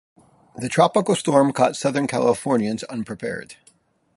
The tropical storm caught Southern Californians unprepared.